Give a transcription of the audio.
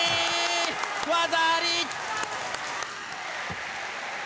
技あり！